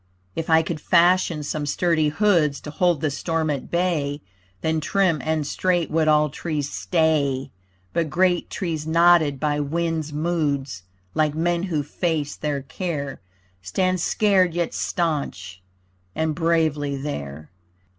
If I could fashion some sturdy hoods To hold the storm at bay, Then trim and straight would all trees stay. But great trees knotted by winds' moods, Like men who face their care, Stand scarred yet stanch and bravely there.